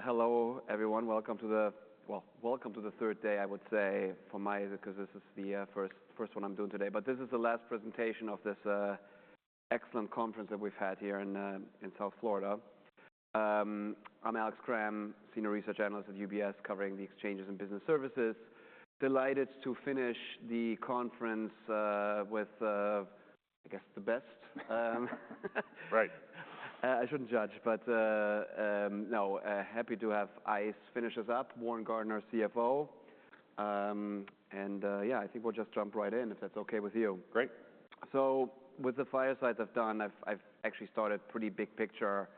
Hello, everyone. Welcome to the third day, I would say, for me, because this is the first one I'm doing today. But this is the last presentation of this excellent conference that we've had here in South Florida. I'm Alex Kramm, Senior Research Analyst at UBS, covering the exchanges and business services. Delighted to finish the conference with, I guess, the best. Right. I shouldn't judge, but happy to have ICE finish us up. Warren Gardiner, CFO. And yeah, I think we'll just jump right in, if that's okay with you. Great. So with the firesides I've done, I've actually started pretty big picture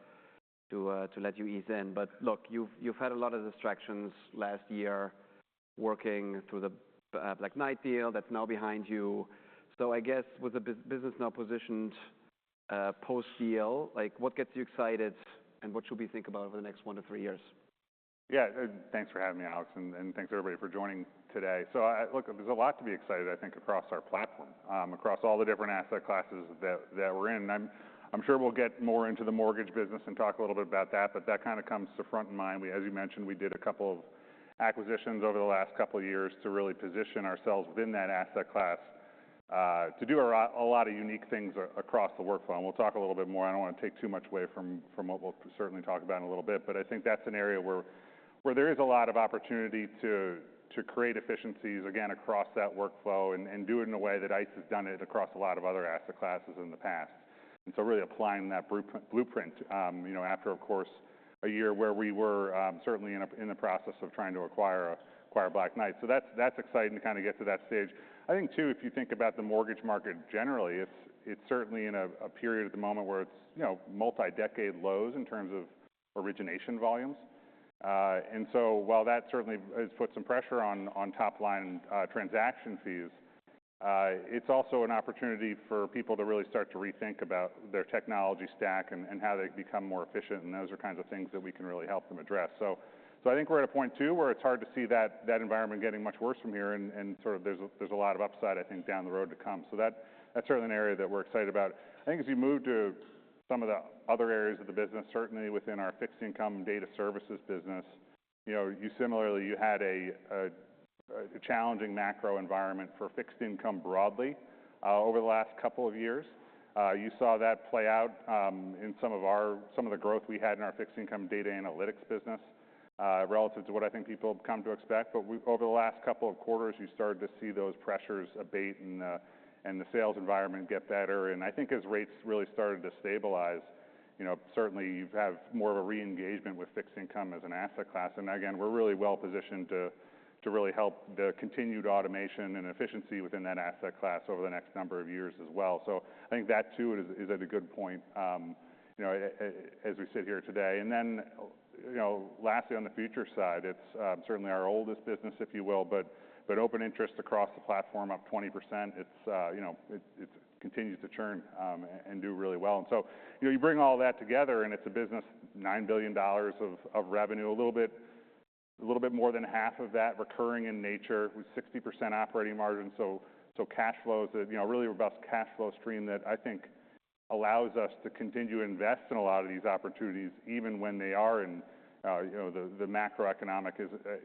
to let you ease in. But look, you've had a lot of distractions last year, working through the Black Knight deal that's now behind you. So I guess with the business now positioned, post-deal, like, what gets you excited, and what should we think about over the next one to three years? Yeah. Thanks for having me, Alex, and thanks, everybody, for joining today. So, look, there's a lot to be excited, I think, across our platform, across all the different asset classes that we're in. I'm sure we'll get more into the mortgage business and talk a little bit about that, but that kind of comes to front of mind. As you mentioned, we did a couple of acquisitions over the last couple of years to really position ourselves within that asset class, to do a lot of unique things across the workflow. And we'll talk a little bit more. I don't want to take too much away from what we'll certainly talk about in a little bit, but I think that's an area where there is a lot of opportunity to create efficiencies, again, across that workflow, and do it in a way that ICE has done it across a lot of other asset classes in the past. And so really applying that blueprint, you know, after, of course, a year where we were certainly in the process of trying to acquire Black Knight. So that's exciting to kind of get to that stage. I think, too, if you think about the mortgage market generally, it's certainly in a period at the moment where it's, you know, multi-decade lows in terms of origination volumes. And so while that certainly has put some pressure on top line transaction fees, it's also an opportunity for people to really start to rethink about their technology stack and how they become more efficient, and those are kinds of things that we can really help them address. So I think we're at a point, too, where it's hard to see that environment getting much worse from here, and sort of there's a lot of upside, I think, down the road to come. So that's certainly an area that we're excited about. I think as you move to some of the other areas of the business, certainly within our fixed income data services business, you know, you similarly had a challenging macro environment for fixed income broadly over the last couple of years. You saw that play out in some of the growth we had in our fixed income data analytics business relative to what I think people have come to expect. But over the last couple of quarters, you started to see those pressures abate and the sales environment get better. And I think as rates really started to stabilize, you know, certainly you have had more of a re-engagement with fixed income as an asset class. And again, we're really well positioned to really help the continued automation and efficiency within that asset class over the next number of years as well. So I think that, too, is at a good point, you know, as we sit here today. And then, you know, lastly, on the future side, it's certainly our oldest business, if you will, but open interest across the platform up 20%. It's, you know, it continues to churn, and do really well. And so, you know, you bring all that together, and it's a business, $9 billion of revenue, a little bit more than half of that recurring in nature, with 60% operating margin. So cash flows, you know, a really robust cash flow stream that I think allows us to continue to invest in a lot of these opportunities, even when they are in, you know, the macroeconomic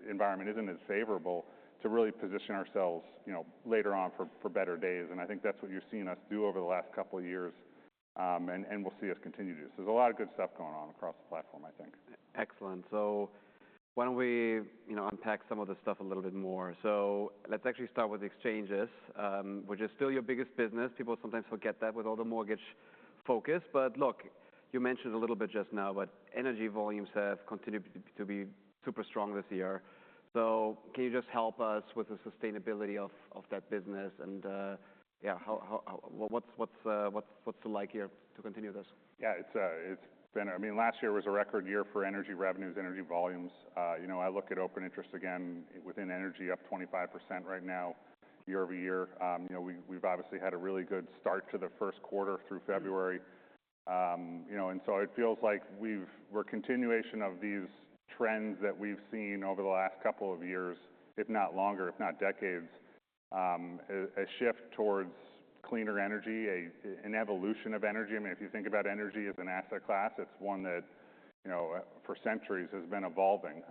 environment isn't as favorable, to really position ourselves, you know, later on for better days. And I think that's what you've seen us do over the last couple of years, and will see us continue to do. So there's a lot of good stuff going on across the platform, I think. Excellent. So why don't we, you know, unpack some of this stuff a little bit more? So let's actually start with exchanges, which is still your biggest business. People sometimes forget that with all the mortgage focus. But look, you mentioned a little bit just now, but energy volumes have continued to be super strong this year. So can you just help us with the sustainability of that business? And, yeah, what's the likelihood here to continue this? Yeah, it's been. I mean, last year was a record year for energy revenues, energy volumes. You know, I look at open interest again within energy, up 25% right now, year-over-year. You know, we've obviously had a really good start to the first quarter through February. You know, and so it feels like we're a continuation of these trends that we've seen over the last couple of years, if not longer, if not decades. A shift towards cleaner energy, an evolution of energy. I mean, if you think about energy as an asset class, it's one that, you know, for centuries has been evolving.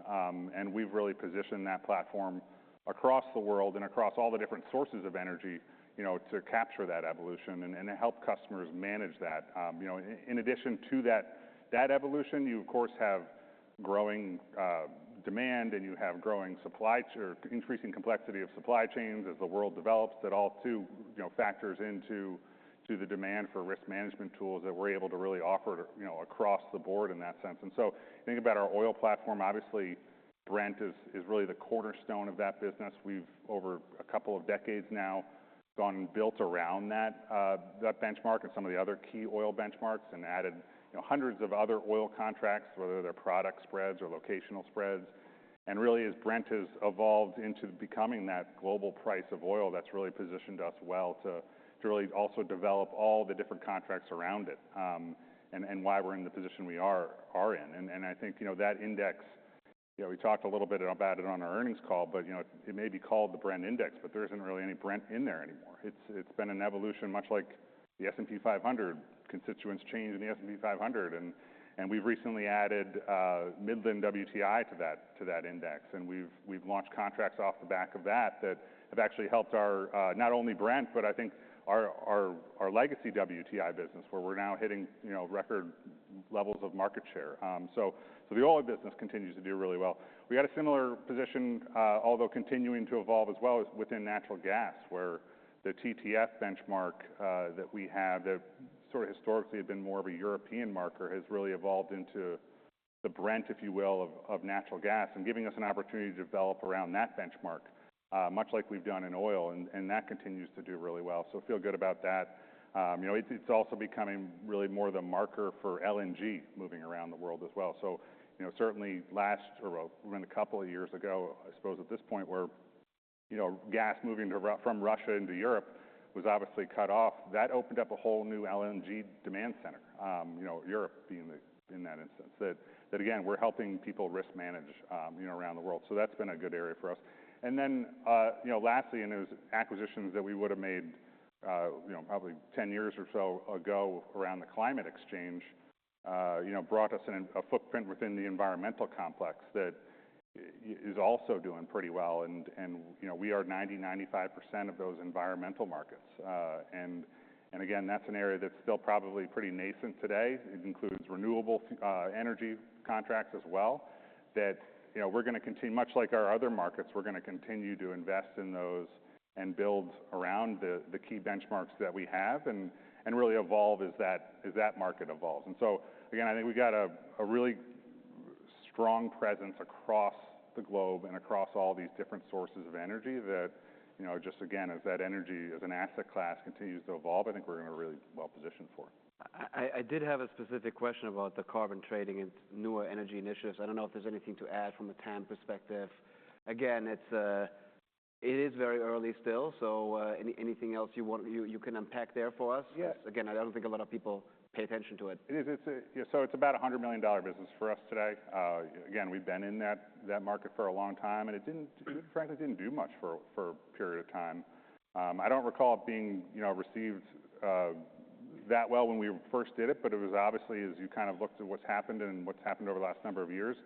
And we've really positioned that platform across the world and across all the different sources of energy, you know, to capture that evolution and to help customers manage that. You know, in addition to that, that evolution, you, of course, have growing demand, and you have growing supply or increasing complexity of supply chains as the world develops. That all too, you know, factors into the demand for risk management tools that we're able to really offer, you know, across the board in that sense. And so think about our oil platform. Obviously, Brent is really the cornerstone of that business. We've over a couple of decades now gone and built around that benchmark and some of the other key oil benchmarks and added, you know, hundreds of other oil contracts, whether they're product spreads or locational spreads. Really, as Brent has evolved into becoming that global price of oil, that's really positioned us well to really also develop all the different contracts around it, and why we're in the position we are in. I think, you know, we talked a little bit about it on our earnings call, but, you know, it may be called the Brent Index, but there isn't really any Brent in there anymore. It's been an evolution, much like the S&P 500. Constituents change in the S&P 500, and we've recently added Midland WTI to that index, and we've launched contracts off the back of that that have actually helped our not only Brent, but I think our legacy WTI business, where we're now hitting, you know, record levels of market share. So, so the oil business continues to do really well. We had a similar position, although continuing to evolve as well, is within natural gas, where the TTF benchmark that we have, that sort of historically had been more of a European marker, has really evolved into the Brent, if you will, of natural gas and giving us an opportunity to develop around that benchmark, much like we've done in oil, and that continues to do really well. So I feel good about that. You know, it's also becoming really more the marker for LNG moving around the world as well. So, you know, certainly last, or when a couple of years ago, I suppose, at this point, where, you know, gas moving to Ru- from Russia into Europe was obviously cut off. That opened up a whole new LNG demand center, you know, Europe being the, in that instance. That, that again, we're helping people risk manage, you know, around the world. So that's been a good area for us. And then, you know, lastly, and those acquisitions that we would have made, you know, probably 10 years or so ago around the climate exchange, you know, brought us in a footprint within the environmental complex that is also doing pretty well. And, and, you know, we are 90%-95% of those environmental markets. And, and again, that's an area that's still probably pretty nascent today. It includes renewable, energy contracts as well. That, you know, we're gonna continue. Much like our other markets, we're gonna continue to invest in those and build around the key benchmarks that we have, and really evolve as that market evolves. And so, again, I think we've got a really strong presence across the globe and across all these different sources of energy that, you know, just again, as that energy, as an asset class, continues to evolve, I think we're in a really well positioned for. I did have a specific question about the carbon trading and newer energy initiatives. I don't know if there's anything to add from a time perspective. Again, it's, it is very early still, so, anything else you want, you can unpack there for us? Yes. Again, I don't think a lot of people pay attention to it. It is. It's yeah, so it's about a $100 million business for us today. Again, we've been in that market for a long time, and it didn't, frankly, do much for a period of time. I don't recall it being, you know, received that well when we first did it, but it was obviously, as you kind of looked at what's happened and what's happened over the last number of years,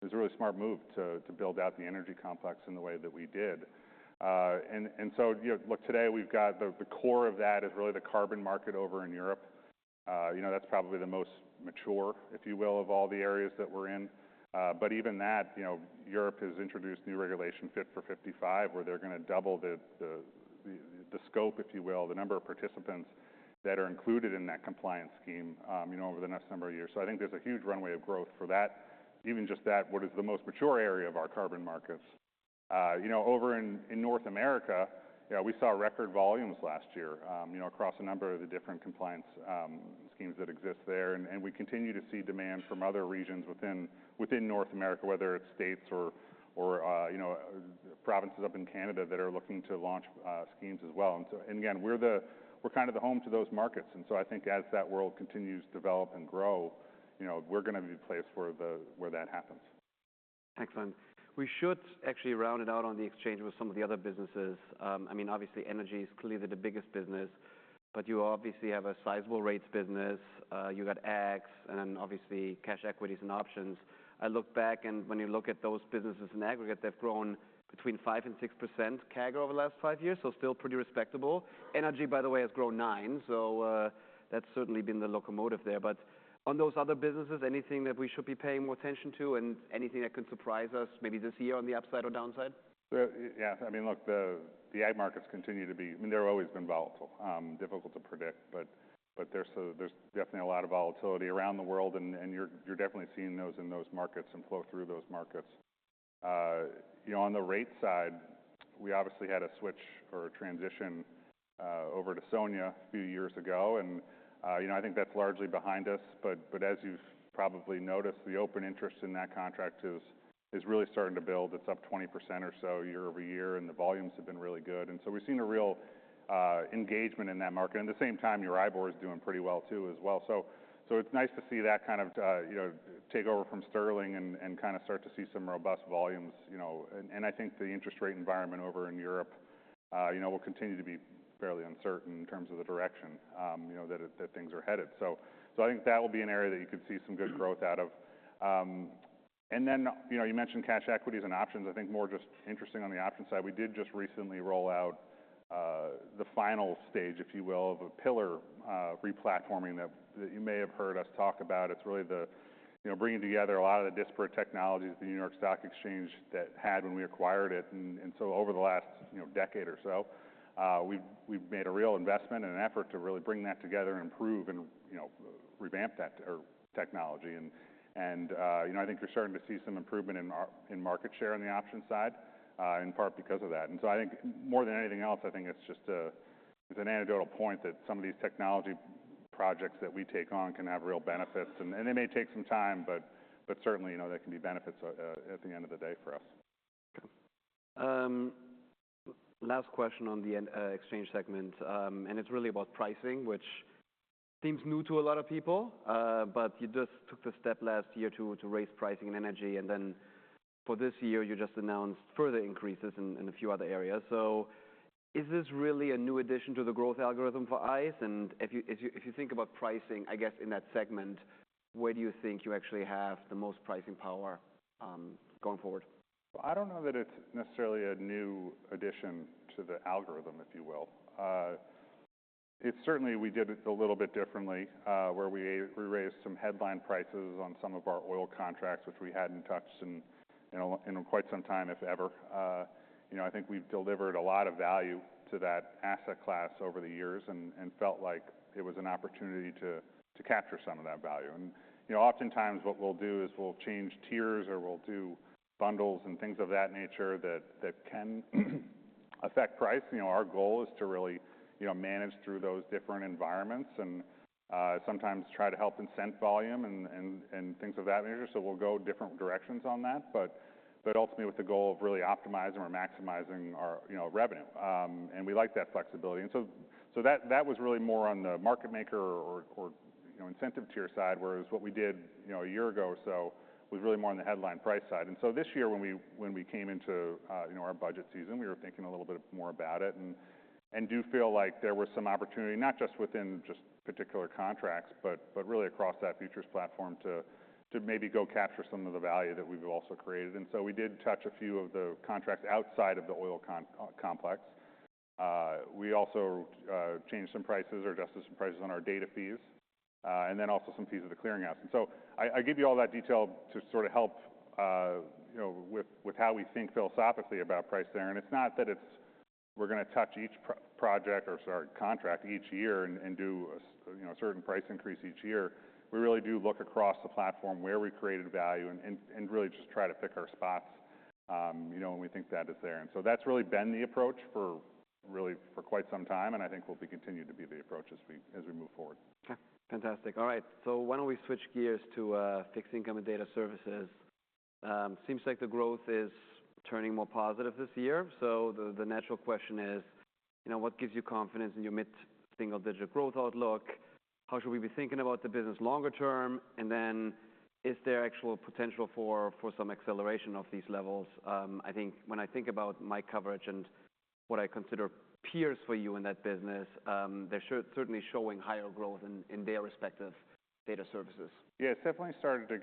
it was a really smart move to build out the energy complex in the way that we did. And so, you know, look, today we've got the core of that is really the carbon market over in Europe. You know, that's probably the most mature, if you will, of all the areas that we're in. But even that, you know, Europe has introduced new regulation Fit for 55, where they're gonna double the scope, if you will, the number of participants that are included in that compliance scheme, you know, over the next number of years. So I think there's a huge runway of growth for that. Even just that, what is the most mature area of our carbon markets. You know, over in North America, yeah, we saw record volumes last year, you know, across a number of the different compliance schemes that exist there. And we continue to see demand from other regions within North America, whether it's states or, you know, provinces up in Canada that are looking to launch schemes as well. And so, again, we're kind of the home to those markets. So I think as that world continues to develop and grow, you know, we're gonna be the place where that happens. Excellent. We should actually round it out on the exchange with some of the other businesses. I mean, obviously energy is clearly the biggest business, but you obviously have a sizable rates business. You got ags and then obviously cash equities and options. I look back, and when you look at those businesses in aggregate, they've grown between 5%-6% CAGR over the last 5 years, so still pretty respectable. Energy, by the way, has grown 9%, so, that's certainly been the locomotive there. But on those other businesses, anything that we should be paying more attention to, and anything that could surprise us, maybe this year on the upside or downside? Well, yeah. I mean, look, the ag markets continue to be. I mean, they've always been volatile, difficult to predict, but there's definitely a lot of volatility around the world, and you're definitely seeing those in those markets and flow through those markets. You know, on the rate side, we obviously had a switch or a transition over to SONIA a few years ago, and you know, I think that's largely behind us. But as you've probably noticed, the open interest in that contract is really starting to build. It's up 20% or so year-over-year, and the volumes have been really good. And so we've seen a real engagement in that market. At the same time, Euribor is doing pretty well too, as well. So, it's nice to see that kind of, you know, take over from sterling and kind of start to see some robust volumes, you know. And I think the interest rate environment over in Europe, you know, will continue to be fairly uncertain in terms of the direction, you know, that things are headed. So, I think that will be an area that you could see some good growth out of. And then, you know, you mentioned cash equities and options. I think more just interesting on the option side, we did just recently roll out the final stage, if you will, of a Pillar replatforming that you may have heard us talk about. It's really the, you know, bringing together a lot of the disparate technologies, the New York Stock Exchange that had when we acquired it. And so over the last, you know, decade or so, we've made a real investment and an effort to really bring that together and improve and, you know, revamp that, our technology. And you know, I think we're starting to see some improvement in market share on the option side, in part because of that. And so I think more than anything else, I think it's just a, it's an anecdotal point that some of these technology projects that we take on can have real benefits. And they may take some time, but certainly, you know, there can be benefits at the end of the day for us. Last question on the exchange segment, and it's really about pricing, which seems new to a lot of people. But you just took the step last year to raise pricing in energy, and then for this year, you just announced further increases in a few other areas. So is this really a new addition to the growth algorithm for ICE? And if you think about pricing, I guess, in that segment, where do you think you actually have the most pricing power going forward? I don't know that it's necessarily a new addition to the algorithm, if you will. It's certainly we did it a little bit differently, where we raised some headline prices on some of our oil contracts, which we hadn't touched in, you know, in quite some time, if ever. You know, I think we've delivered a lot of value to that asset class over the years and felt like it was an opportunity to capture some of that value. You know, oftentimes what we'll do is we'll change tiers or we'll do bundles and things of that nature that can affect price. You know, our goal is to really, you know, manage through those different environments, and sometimes try to help incent volume and things of that nature. So we'll go different directions on that, but ultimately, with the goal of really optimizing or maximizing our, you know, revenue. And we like that flexibility. And so that was really more on the market maker or, you know, incentive tier side, whereas what we did, you know, a year ago or so, was really more on the headline price side. And so this year, when we came into, you know, our budget season, we were thinking a little bit more about it, and do feel like there was some opportunity, not just within particular contracts, but really across that futures platform, to maybe go capture some of the value that we've also created. And so we did touch a few of the contracts outside of the Oil Complex. We also changed some prices or adjusted some prices on our data fees, and then also some fees of the clearinghouse. So I give you all that detail to sort of help, you know, with how we think philosophically about price there. It's not that we're gonna touch each project or sorry, contract each year and do, you know, a certain price increase each year. We really do look across the platform where we created value and really just try to pick our spots, you know, when we think that is there. So that's really been the approach for quite some time, and I think will continue to be the approach as we move forward. Okay, fantastic. All right, so why don't we switch gears to fixed income and data services. Seems like the growth is turning more positive this year. So the natural question is, you know, what gives you confidence in your mid-single-digit growth outlook? How should we be thinking about the business longer term? And then, is there actual potential for some acceleration of these levels? I think when I think about my coverage and what I consider peers for you in that business, they're certainly showing higher growth in their respective data services. Yeah, it's definitely starting to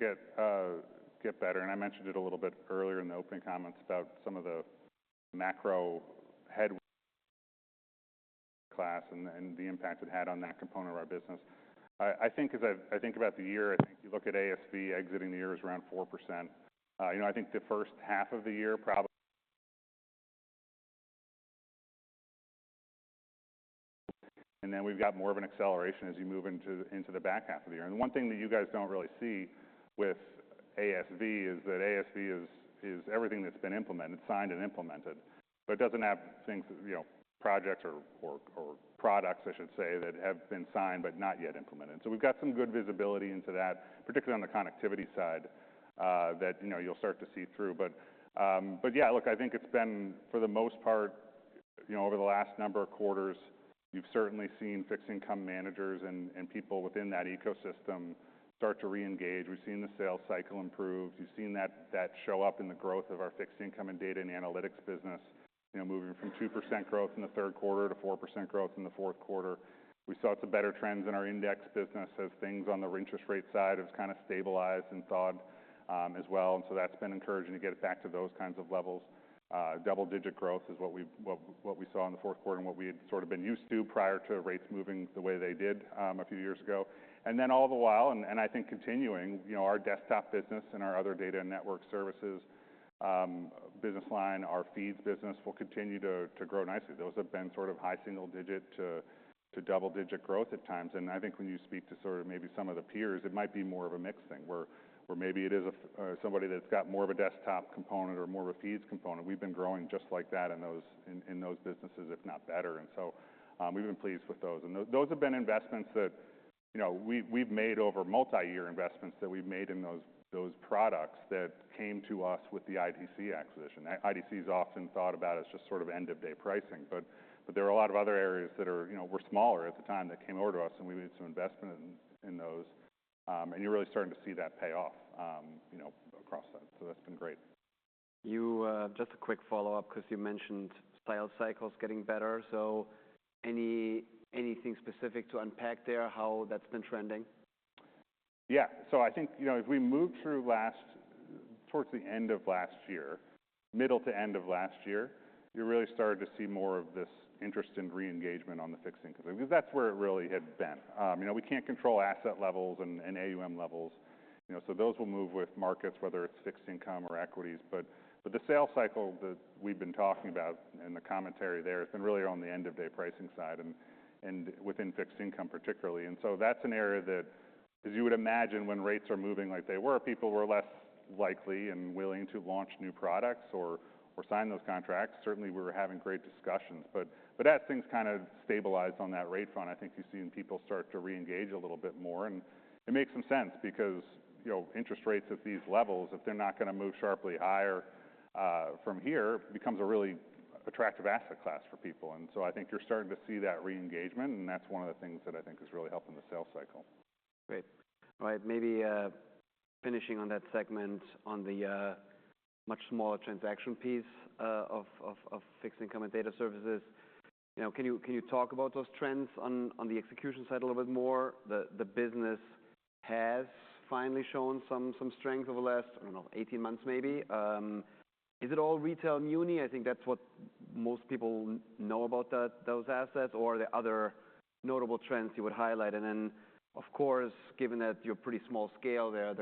get better, and I mentioned it a little bit earlier in the opening comments about some of the macro headwinds and the impact it had on that component of our business. I think about the year, I think you look at ASV exiting the year at around 4%. You know, I think the first half of the year, and then we've got more of an acceleration as you move into the back half of the year. And one thing that you guys don't really see with ASV is that ASV is everything that's been implemented, signed and implemented, but it doesn't have things, you know, projects or products, I should say, that have been signed but not yet implemented. So we've got some good visibility into that, particularly on the connectivity side, that, you know, you'll start to see through. But, but yeah, look, I think it's been, for the most part, you know, over the last number of quarters, we've certainly seen Fixed Income managers and, and people within that ecosystem start to reengage. We've seen the sales cycle improve. We've seen that, that show up in the growth of our Fixed Income Data and Analytics business, you know, moving from 2% growth in the third quarter to 4% growth in the fourth quarter. We saw some better trends in our Index Business as things on the Interest Rate side have kind of stabilized and thawed, as well. And so that's been encouraging to get it back to those kinds of levels. Double-digit growth is what we saw in the fourth quarter, and what we had sort of been used to prior to rates moving the way they did, a few years ago. And then all the while, and I think continuing, you know, our Desktops Business and our other data and network services business line, our feeds business will continue to grow nicely. Those have been sort of high single digit to double-digit growth at times. And I think when you speak to sort of maybe some of the peers, it might be more of a mixed thing, where maybe it is a somebody that's got more of a desktop component or more of a feeds component. We've been growing just like that in those businesses, if not better. We've been pleased with those. And those have been investments that, you know, we've made over multi-year investments that we've made in those products that came to us with the IDC acquisition. IDC is often thought about as just sort of end-of-day pricing, but there are a lot of other areas that are, you know, were smaller at the time that came over to us, and we made some investment in those. And you're really starting to see that pay off, you know, across that. So that's been great. You just a quick follow-up, 'cause you mentioned sales cycles getting better. So anything specific to unpack there, how that's been trending? Yeah. So I think, you know, as we moved through last year towards the end of last year, middle to end of last year, you really started to see more of this interest in reengagement on the fixed income, because that's where it really had been. You know, we can't control asset levels and AUM levels, you know, so those will move with markets, whether it's fixed income or equities. But the sales cycle that we've been talking about and the commentary there has been really on the end-of-day pricing side and within fixed income particularly. And so that's an area. As you would imagine, when rates are moving like they were, people were less likely and willing to launch new products or sign those contracts. Certainly, we were having great discussions. But as things kind of stabilized on that rate front, I think you've seen people start to reengage a little bit more. And it makes some sense because, you know, interest rates at these levels, if they're not going to move sharply higher, from here, becomes a really attractive asset class for people. And so I think you're starting to see that reengagement, and that's one of the things that I think is really helping the sales cycle. Great. All right, maybe finishing on that segment on the much smaller transaction piece of fixed income and data services. You know, can you talk about those trends on the execution side a little bit more? The business has finally shown some strength over the last, I don't know, 18 months maybe. Is it all retail muni? I think that's what most people know about those assets, or are there other notable trends you would highlight? And then, of course, given that you're pretty small scale there,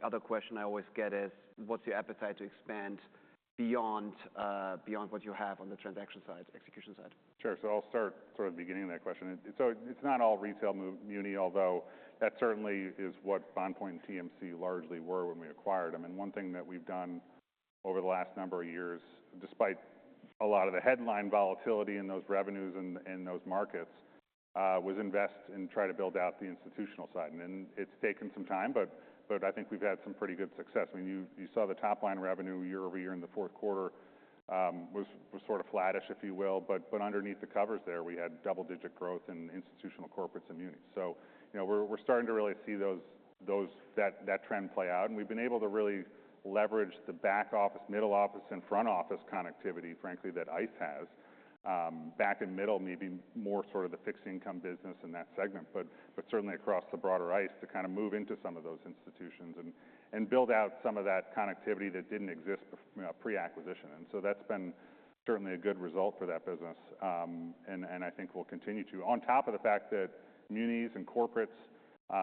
the other question I always get is, what's your appetite to expand beyond what you have on the transaction side, execution side? Sure. So I'll start sort of the beginning of that question. So it's not all retail muni, although that certainly is what BondPoint and TMC largely were when we acquired them. And one thing that we've done over the last number of years, despite a lot of the headline volatility in those revenues and those markets, was invest and try to build out the institutional side. And it's taken some time, but I think we've had some pretty good success. I mean, you saw the top line revenue year-over-year in the fourth quarter was sort of flattish, if you will. But underneath the covers there, we had double-digit growth in institutional corporates and munis. So, you know, we're starting to really see that trend play out, and we've been able to really leverage the back office, middle office and front office connectivity, frankly, that ICE has. Back and middle, maybe more sort of the fixed income business in that segment, but certainly across the broader ICE to kind of move into some of those institutions and build out some of that connectivity that didn't exist before, you know, pre-acquisition. And so that's been certainly a good result for that business, and I think will continue to. On top of the fact that munis and corporates,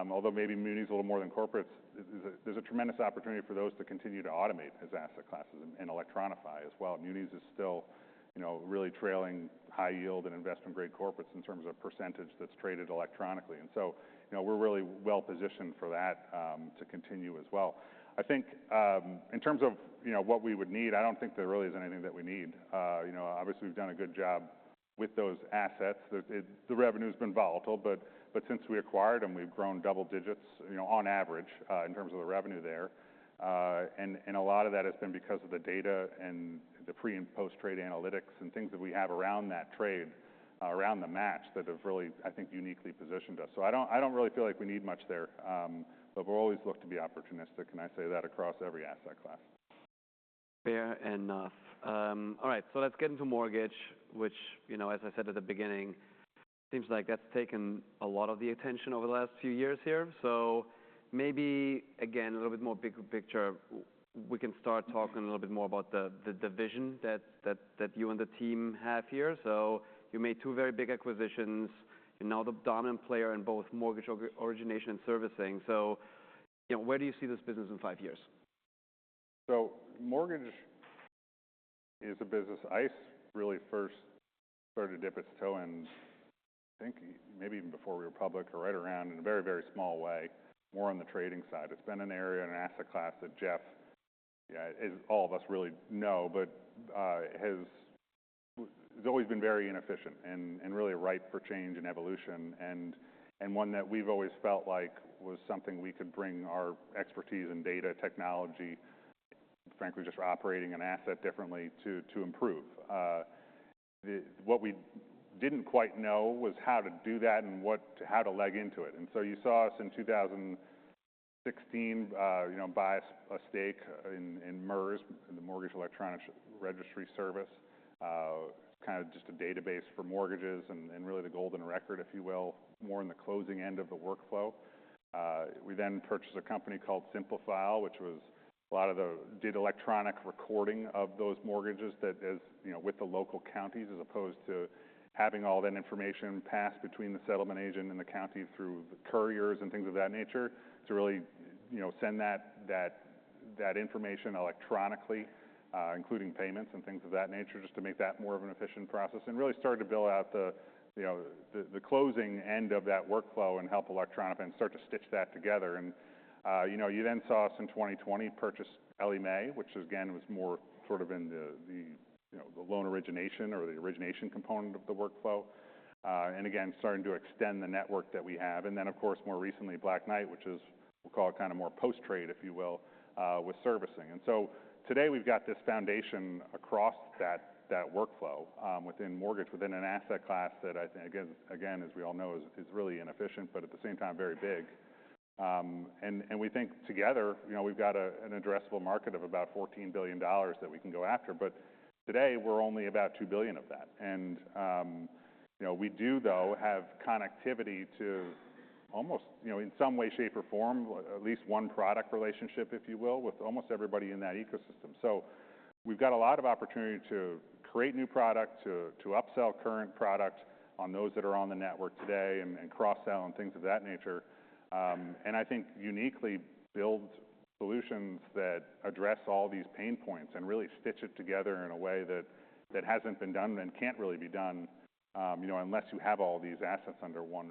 although maybe munis a little more than corporates, there's a tremendous opportunity for those to continue to automate as asset classes and electronify as well. Munis is still, you know, really trailing high yield and investment-grade corporates in terms of percentage that's traded electronically. And so, you know, we're really well positioned for that to continue as well. I think, in terms of, you know, what we would need, I don't think there really is anything that we need. You know, obviously, we've done a good job with those assets. The revenue's been volatile, but since we acquired them, we've grown double digits, you know, on average, in terms of the revenue there. And a lot of that has been because of the data and the pre- and post-trade analytics and things that we have around that trade, around the match, that have really, I think, uniquely positioned us. So I don't really feel like we need much there. But we'll always look to be opportunistic, and I say that across every asset class. Fair enough. All right, so let's get into mortgage, which, you know, as I said at the beginning, seems like that's taken a lot of the attention over the last few years here. So maybe, again, a little bit more big picture, we can start talking a little bit more about the vision that you and the team have here. So you made two very big acquisitions, and now the dominant player in both mortgage origination and servicing. So, you know, where do you see this business in five years? So mortgage is a business ICE really first started to dip its toe in, I think maybe even before we were public, or right around in a very, very small way, more on the trading side. It's been an area and an asset class that Jeff, as all of us really know, but, it's always been very inefficient and really ripe for change and evolution, and one that we've always felt like was something we could bring our expertise in data technology, frankly, just operating an asset differently, to improve. What we didn't quite know was how to do that and how to leg into it. And so you saw us in 2016, you know, buy a stake in MERS, in the Mortgage Electronic Registration Systems. Kind of just a database for mortgages and really the golden record, if you will, more in the closing end of the workflow. We then purchased a company called Simplifile, which did electronic recording of those mortgages that is, you know, with the local counties, as opposed to having all that information passed between the settlement agent and the county through the couriers and things of that nature, to really, you know, send that information electronically, including payments and things of that nature, just to make that more of an efficient process, and really started to build out the, you know, the closing end of that workflow and help electronic and start to stitch that together. You know, you then saw us in 2020 purchase Ellie Mae, which again, was more sort of in the, the, you know, the loan origination or the origination component of the workflow. And again, starting to extend the network that we have. And then, of course, more recently, Black Knight, which is, we'll call it kind of more post-trade, if you will, with servicing. And so today, we've got this foundation across that workflow, within mortgage, within an asset class that I think, again, again, as we all know, is really inefficient, but at the same time, very big. And we think together, you know, we've got an addressable market of about $14 billion that we can go after, but today we're only about $2 billion of that. You know, we do, though, have connectivity to almost, you know, in some way, shape, or form, at least one product relationship, if you will, with almost everybody in that ecosystem. We've got a lot of opportunity to create new product, to upsell current product on those that are on the network today and cross-sell and things of that nature. I think uniquely build solutions that address all these pain points and really stitch it together in a way that hasn't been done and can't really be done, you know, unless you have all these assets under one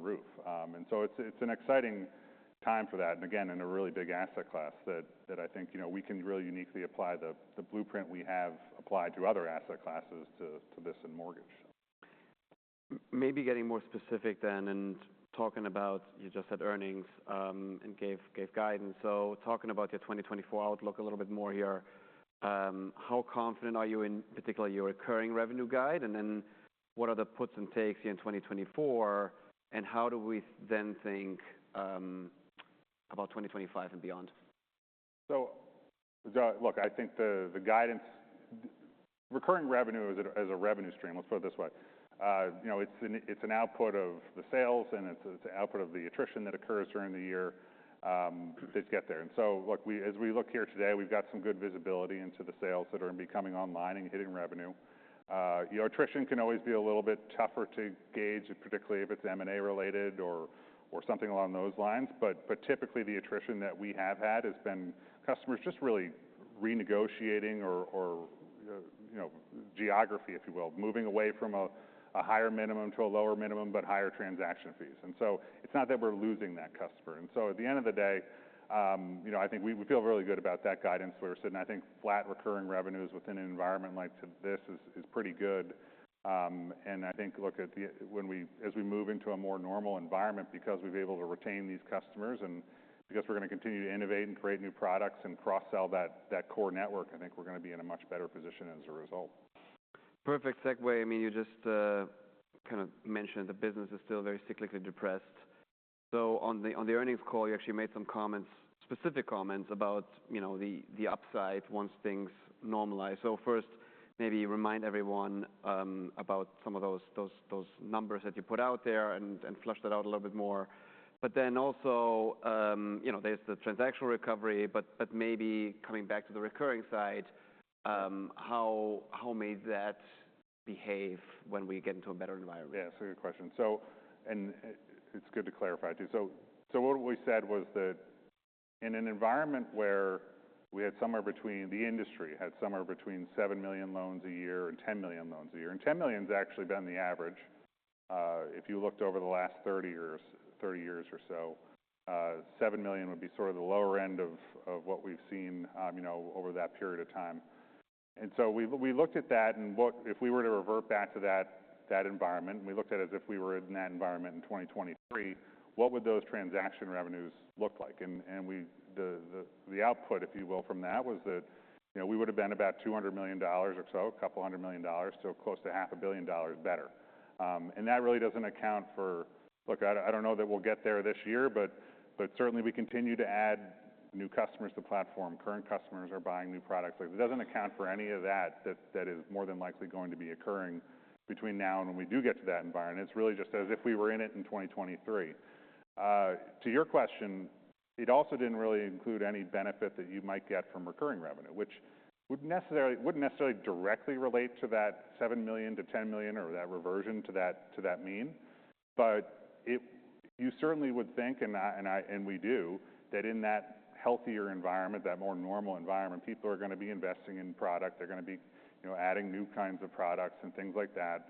roof. So it's an exciting time for that, and again, in a really big asset class that I think, you know, we can really uniquely apply the blueprint we have applied to other asset classes to this in mortgage. Maybe getting more specific then, and talking about, you just said earnings, and gave, gave guidance. So talking about your 2024 outlook a little bit more here, how confident are you in particular, your recurring revenue guide? And then what are the puts and takes in 2024, and how do we then think, about 2025 and beyond? So, look, I think the guidance recurring revenue as a revenue stream, let's put it this way, you know, it's an output of the sales, and it's an output of the attrition that occurs during the year to get there. So, look, as we look here today, we've got some good visibility into the sales that are going to be coming online and hitting revenue. You know, attrition can always be a little bit tougher to gauge, particularly if it's M&A related or something along those lines. But typically the attrition that we have had has been customers just really renegotiating or, you know, geography, if you will, moving away from a higher minimum to a lower minimum, but higher transaction fees. So it's not that we're losing that customer. And so at the end of the day, you know, I think we, we feel really good about that guidance where we're sitting. I think flat recurring revenues within an environment like this is, is pretty good. And I think, look, as we move into a more normal environment, because we've been able to retain these customers, and because we're going to continue to innovate and create new products and cross-sell that, that core network, I think we're going to be in a much better position as a result. Perfect segue. I mean, you just kind of mentioned the business is still very cyclically depressed. So on the earnings call, you actually made some comments, specific comments about, you know, the upside once things normalize. So first, maybe remind everyone about some of those numbers that you put out there and flush that out a little bit more. But then also, you know, there's the transactional recovery, but maybe coming back to the recurring side, how may that behave when we get into a better environment? Yeah, it's a good question. So, it's good to clarify, too. So, what we said was that in an environment where we had somewhere between—the industry had somewhere between 7 million loans a year and 10 million loans a year, and 10 million's actually been the average. If you looked over the last 30 years or so, 7 million would be sort of the lower end of what we've seen, you know, over that period of time. And so we looked at that, and what if we were to revert back to that environment, we looked at it as if we were in that environment in 2023, what would those transaction revenues look like? The output, if you will, from that, was that, you know, we would have been about $200 million or so, a couple hundred million dollars, so close to $500 million better. And that really doesn't account for. Look, I don't know that we'll get there this year, but certainly we continue to add new customers to the platform. Current customers are buying new products. It doesn't account for any of that, that is more than likely going to be occurring between now and when we do get to that environment. It's really just as if we were in it in 2023. To your question, it also didn't really include any benefit that you might get from recurring revenue, which wouldn't necessarily directly relate to that $7 million-$10 million, or that reversion to that mean. But you certainly would think, and we do, that in that healthier environment, that more normal environment, people are going to be investing in product. They're going to be, you know, adding new kinds of products and things like that.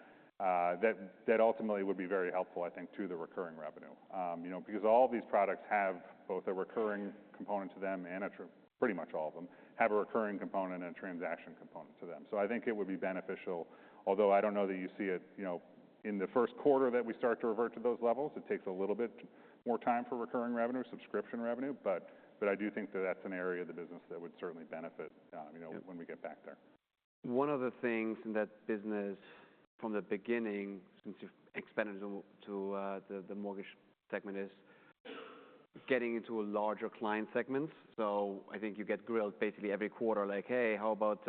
That ultimately would be very helpful, I think, to the recurring revenue. You know, because all of these products have both a recurring component to them, and pretty much all of them have a recurring component and a transaction component to them. I think it would be beneficial, although I don't know that you see it, you know, in the first quarter, that we start to revert to those levels. It takes a little bit more time for recurring revenue, subscription revenue, but I do think that that's an area of the business that would certainly benefit, you know, when we get back there. One of the things in that business from the beginning, since you've expanded to the mortgage segment, is getting into a larger client segment. So I think you get grilled basically every quarter, like, "Hey, how about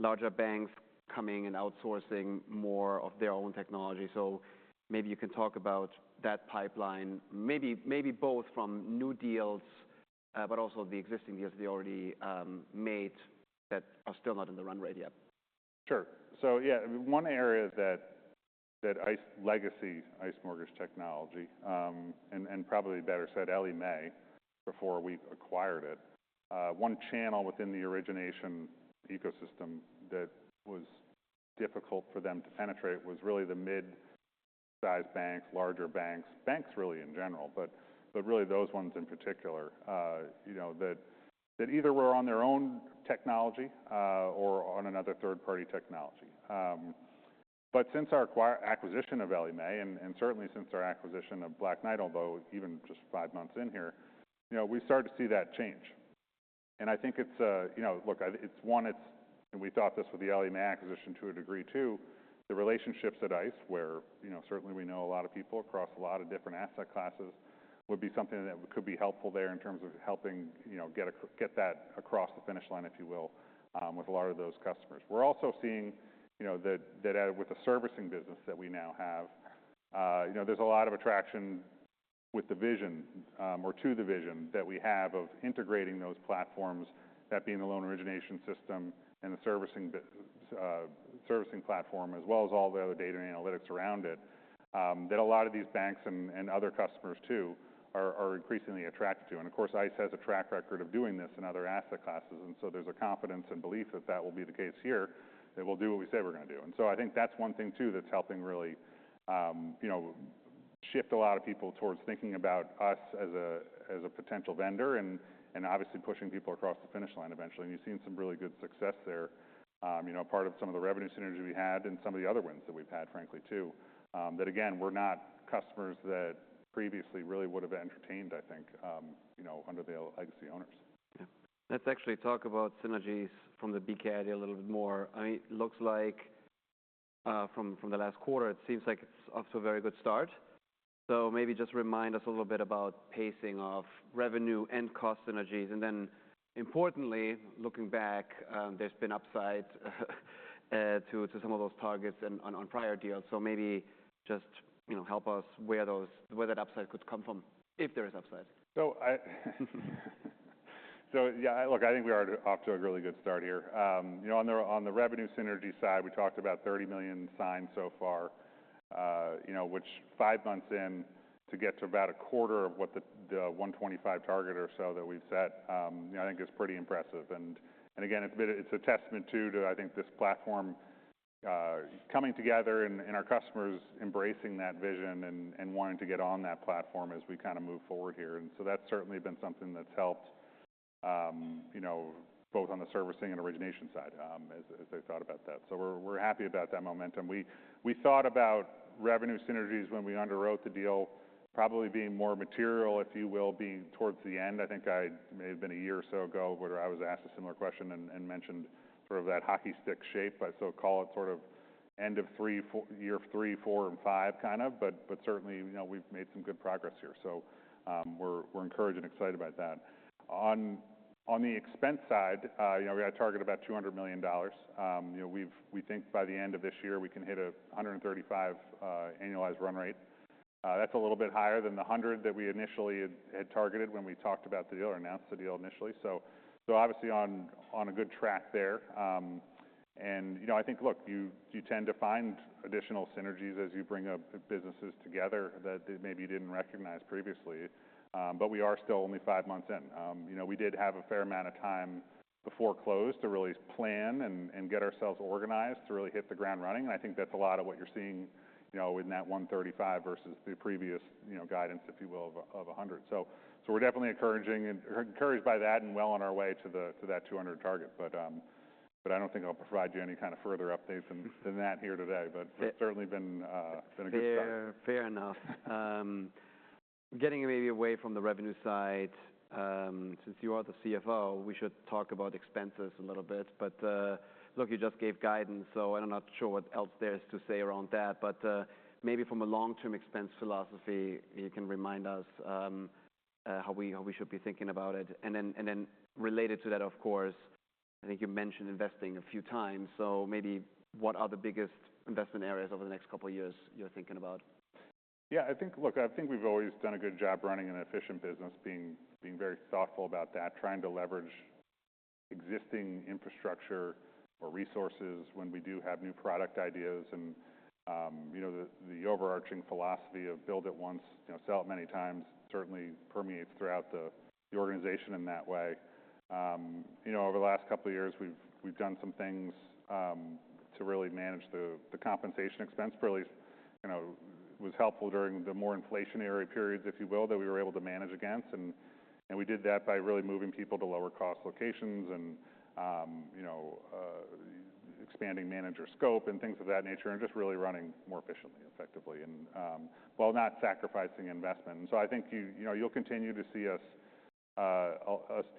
larger banks coming and outsourcing more of their own technology?" So maybe you can talk about that pipeline, maybe both from new deals, but also the existing deals they already made that are still not in the run rate yet. Sure. So yeah, one area that ICE legacy ICE Mortgage Technology, and probably better said, Ellie Mae, before we acquired it. One channel within the origination ecosystem that was difficult for them to penetrate was really the mid-sized banks, larger banks, banks really in general, but really those ones in particular, you know, that either were on their own technology, or on another third-party technology. But since our acquisition of Ellie Mae, and certainly since our acquisition of Black Knight, although even just five months in here, you know, we start to see that change. And I think it's, you know, look, it's one. And we thought this with the Ellie Mae acquisition to a degree, too. The relationships at ICE, where, you know, certainly we know a lot of people across a lot of different asset classes, would be something that could be helpful there in terms of helping, you know, get that across the finish line, if you will, with a lot of those customers. We're also seeing, you know, that with the servicing business that we now have, you know, there's a lot of attraction with the vision, or to the vision that we have of integrating those platforms, that being the loan origination system and the servicing platform, as well as all the other data and analytics around it, that a lot of these banks and other customers, too, are increasingly attracted to. Of course, ICE has a track record of doing this in other asset classes, and so there's a confidence and belief that that will be the case here, that we'll do what we say we're going to do. So I think that's one thing, too, that's helping really shift a lot of people towards thinking about us as a potential vendor, and obviously pushing people across the finish line eventually. You've seen some really good success there. You know, part of some of the revenue synergy we had and some of the other wins that we've had, frankly, too. But again, we're not customers that previously really would have entertained, I think, you know, under the legacy owners. Yeah. Let's actually talk about synergies from the BK idea a little bit more. I mean, it looks like from the last quarter, it seems like it's off to a very good start. So maybe just remind us a little bit about pacing of revenue and cost synergies, and then importantly, looking back, there's been upside to some of those targets and on prior deals. So maybe just, you know, help us where that upside could come from, if there is upside. So yeah, look, I think we are off to a really good start here. You know, on the revenue synergy side, we talked about $30 million signed so far, you know, which five months in, to get to about a quarter of what the $125 million target or so that we've set, you know, I think is pretty impressive. And again, it's a testament to I think this platform coming together and our customers embracing that vision and wanting to get on that platform as we kind of move forward here. And so that's certainly been something that's helped, you know, both on the servicing and origination side, as I thought about that. So we're happy about that momentum. We thought about revenue synergies when we underwrote the deal, probably being more material, if you will, being towards the end. I think I may have been a year or so ago, where I was asked a similar question and mentioned sort of that hockey stick shape, I so call it, sort of end of three, four, year three, four, and five, kind of. But certainly, you know, we've made some good progress here. So, we're encouraged and excited about that. On the expense side, you know, we had a target about $200 million. You know, we think by the end of this year, we can hit $135 million annualized run rate. That's a little bit higher than the $100 that we initially had targeted when we talked about the deal or announced the deal initially. So, obviously on a good track there. And, you know, I think, look, you tend to find additional synergies as you bring up businesses together that maybe you didn't recognize previously. But we are still only 5 months in. You know, we did have a fair amount of time before close to really plan and get ourselves organized to really hit the ground running. And I think that's a lot of what you're seeing, you know, in that $135 versus the previous, you know, guidance, if you will, of a $100. So, we're definitely encouraged by that and well on our way to that $200 target. But I don't think I'll provide you any kind of further updates than that here today, but it's certainly been a good start. Fair, fair enough. Getting maybe away from the revenue side, since you are the CFO, we should talk about expenses a little bit. But, look, you just gave guidance, so I'm not sure what else there is to say around that. But, maybe from a long-term expense philosophy, you can remind us, how we should be thinking about it. And then related to that, of course, I think you mentioned investing a few times, so maybe what are the biggest investment areas over the next couple of years you're thinking about? Yeah, I think. Look, I think we've always done a good job running an efficient business, being very thoughtful about that, trying to leverage existing infrastructure or resources when we do have new product ideas. And, you know, the overarching philosophy of build it once, you know, sell it many times, certainly permeates throughout the organization in that way. You know, over the last couple of years, we've done some things to really manage the compensation expense. Really, you know, was helpful during the more inflationary periods, if you will, that we were able to manage against. And we did that by really moving people to lower cost locations and, you know, expanding manager scope and things of that nature, and just really running more efficiently, effectively, and while not sacrificing investment. So I think you know you'll continue to see us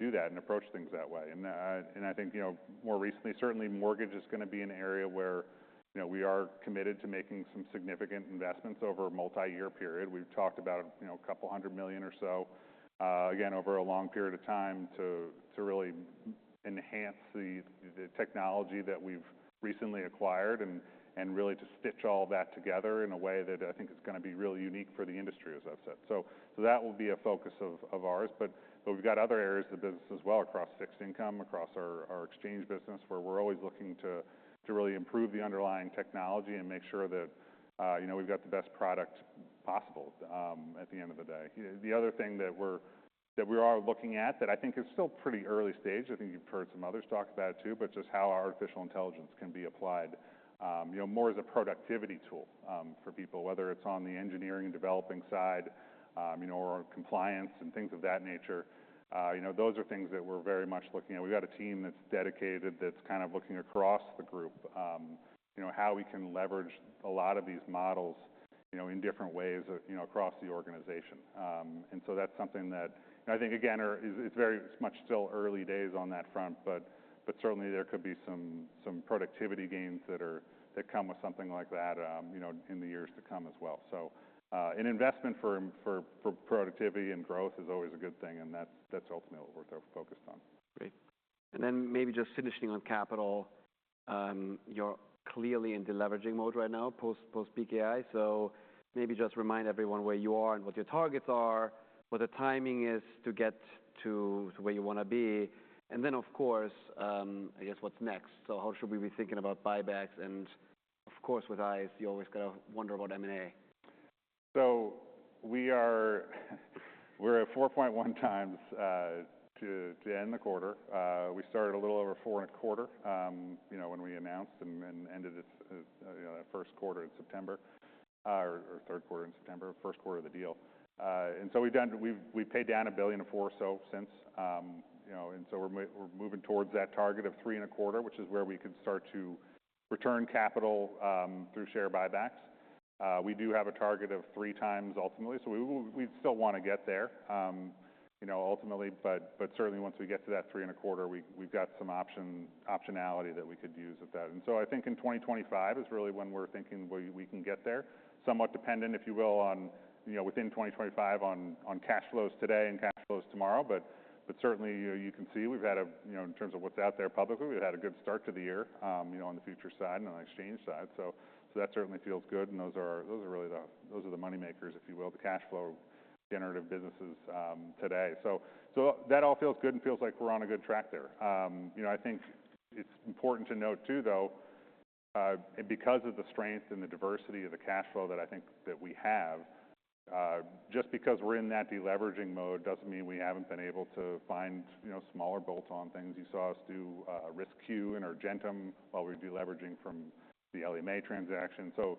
do that and approach things that way. And I think you know more recently certainly mortgage is gonna be an area where you know we are committed to making some significant investments over a multi-year period. We've talked about you know $200 million or so again over a long period of time to really enhance the technology that we've recently acquired and really to stitch all that together in a way that I think is gonna be really unique for the industry as I've said. So that will be a focus of ours. But we've got other areas of the business as well, across fixed income, across our exchange business, where we're always looking to really improve the underlying technology and make sure that, you know, we've got the best product possible, at the end of the day. The other thing that we are looking at, that I think is still pretty early stage, I think you've heard some others talk about it, too, but just how artificial intelligence can be applied, you know, more as a productivity tool, for people, whether it's on the engineering and developing side, you know, or compliance and things of that nature. You know, those are things that we're very much looking at. We've got a team that's dedicated, that's kind of looking across the group, you know, how we can leverage a lot of these models, you know, in different ways, you know, across the organization. And so that's something that. And I think, again, it's very much still early days on that front, but certainly there could be some productivity gains that come with something like that, you know, in the years to come as well. So, an investment for productivity and growth is always a good thing, and that's ultimately what we're focused on. Great. And then maybe just finishing on capital. You're clearly in deleveraging mode right now, post BKI, so maybe just remind everyone where you are and what your targets are, what the timing is to get to where you want to be. And then of course, I guess, what's next? So how should we be thinking about buybacks, and of course, with ICE, you always got to wonder about M&A. So we're at 4.1x to end the quarter. We started a little over 4.25, you know, when we announced and ended it, you know, that first quarter in September, or third quarter in September, first quarter of the deal. And so we've paid down $1 billion or so since, you know, and so we're moving towards that target of 3.25, which is where we could start to return capital through share buybacks. We do have a target of 3x ultimately, so we still want to get there, you know, ultimately, but certainly once we get to that 3.25, we've got some optionality that we could use with that. And so I think in 2025 is really when we're thinking we, we can get there. Somewhat dependent, if you will, on, you know, within 2025 on, on cash flows today and cash flows tomorrow. But, but certainly, you know, you can see we've had a, you know, in terms of what's out there publicly, we've had a good start to the year, you know, on the futures side and on the exchange side. So, so that certainly feels good, and those are, those are really the money makers, if you will, the cash flow generative businesses, today. So, so that all feels good and feels like we're on a good track there. You know, I think it's important to note, too, though, and because of the strength and the diversity of the cash flow that I think that we have, just because we're in that deleveraging mode doesn't mean we haven't been able to find, you know, smaller bolt-on things. You saw us do, RisQ and Urjanet while we were deleveraging from the Ellie Mae transaction. So,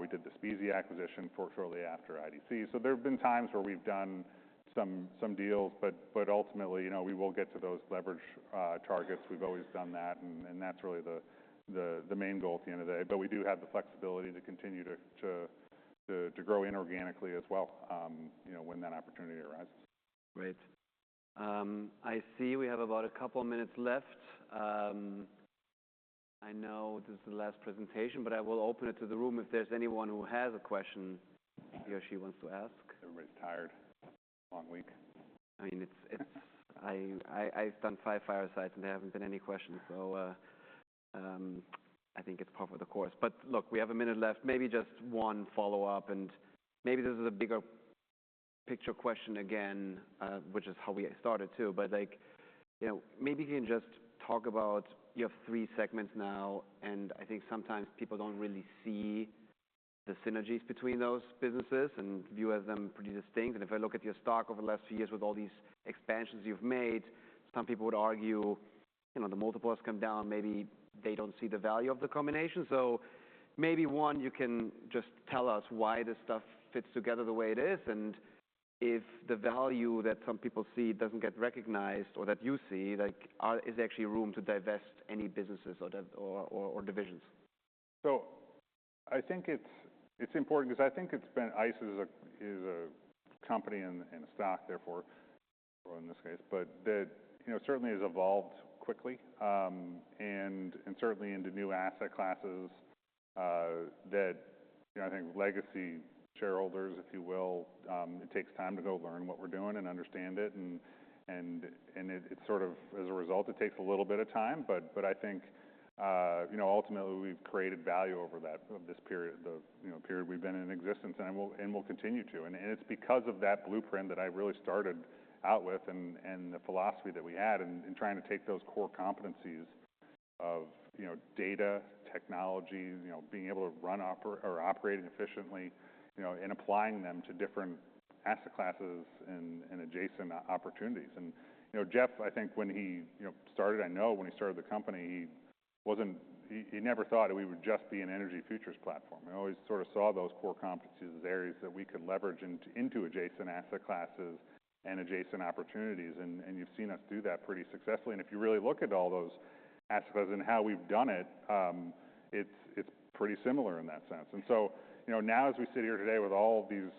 we did the SPSE acquisition shortly after IDC. So there have been times where we've done some deals, but ultimately, you know, we will get to those leverage targets. We've always done that, and that's really the main goal at the end of the day. But we do have the flexibility to continue to grow inorganically as well, you know, when that opportunity arises. Great. I see we have about a couple minutes left. I know this is the last presentation, but I will open it to the room if there's anyone who has a question he or she wants to ask. Everybody's tired. Long week. I mean, it's. I've done five firesides, and there haven't been any questions, so I think it's par for the course. But look, we have a minute left, maybe just one follow-up, and maybe this is a bigger picture question again, which is how we got started, too. But like, you know, maybe you can just talk about your three segments now, and I think sometimes people don't really see the synergies between those businesses and view as them pretty distinct. And if I look at your stock over the last few years with all these expansions you've made, some people would argue, you know, the multiples come down, maybe they don't see the value of the combination. So maybe, one, you can just tell us why this stuff fits together the way it is, and if the value that some people see doesn't get recognized or that you see, like, is there actually room to divest any businesses or divisions? So I think it's important because I think ICE is a company and a stock therefore, or in this case, but that, you know, certainly has evolved quickly. And certainly into new asset classes, that, you know, I think legacy shareholders, if you will. It takes time to go learn what we're doing and understand it, and it sort of as a result, it takes a little bit of time. But I think, you know, ultimately we've created value over that, of this period, the, you know, period we've been in existence and will continue to. It's because of that blueprint that I really started out with and the philosophy that we had and trying to take those core competencies of, you know, data, technology, you know, being able to run operating efficiently, you know, and applying them to different asset classes and adjacent opportunities. You know, Jeff, I think when he, you know, started, I know when he started the company, he wasn't. He never thought we would just be an energy futures platform. He always sort of saw those core competencies as areas that we could leverage into adjacent asset classes and adjacent opportunities. You've seen us do that pretty successfully. And if you really look at all those aspects and how we've done it, it's pretty similar in that sense. You know, now as we sit here today with all of these,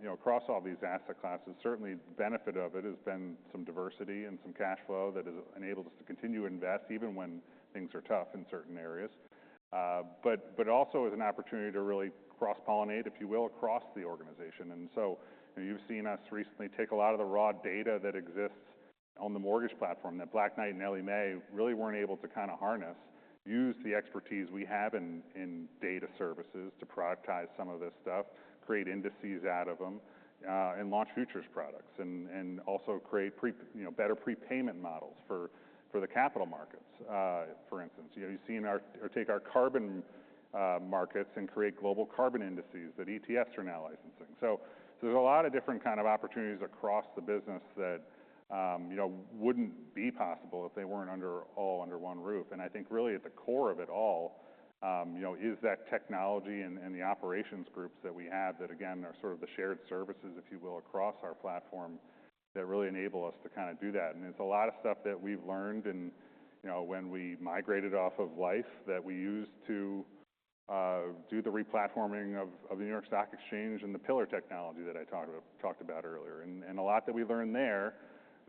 you know, across all these asset classes, certainly the benefit of it has been some diversity and some cash flow that has enabled us to continue to invest, even when things are tough in certain areas. But also as an opportunity to really cross-pollinate, if you will, across the organization. You've seen us recently take a lot of the raw data that exists on the mortgage platform, that Black Knight and Ellie Mae really weren't able to kind of harness, use the expertise we have in data services to productize some of this stuff, create indices out of them, and launch futures products, and also create you know, better prepayment models for the capital markets, for instance. You know, you've seen our or take our carbon markets and create global carbon indices that ETFs are now licensing. So, there's a lot of different kind of opportunities across the business that, you know, wouldn't be possible if they weren't all under one roof. And I think really at the core of it all, you know, is that technology and the operations groups that we have that again are sort of the shared services, if you will, across our platform, that really enable us to kind of do that. And it's a lot of stuff that we've learned and, you know, when we migrated off of LIFFE that we used to do the replatforming of the New York Stock Exchange and the Pillar technology that I talked about earlier. A lot that we learned there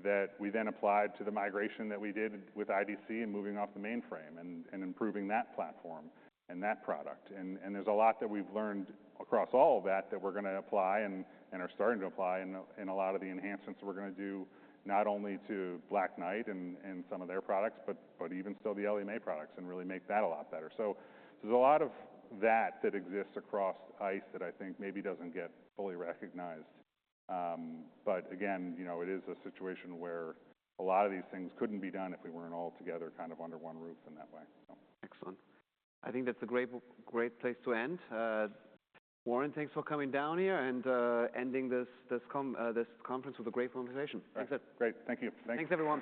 that we then applied to the migration that we did with IDC and moving off the mainframe and improving that platform and that product. And there's a lot that we've learned across all of that that we're going to apply and are starting to apply in a lot of the enhancements we're going to do, not only to Black Knight and some of their products, but even still the Ellie Mae products, and really make that a lot better. So there's a lot of that that exists across ICE that I think maybe doesn't get fully recognized. But again, you know, it is a situation where a lot of these things couldn't be done if we weren't all together, kind of under one roof in that way, so. Excellent. I think that's a great, great place to end. Warren, thanks for coming down here and ending this conference with a great presentation. Thanks. Thanks. Great. Thank you. Thanks, everyone.